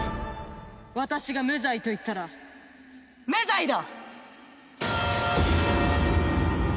私が無罪と言ったら無罪だ！